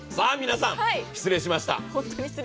さあ皆さん、失礼しました。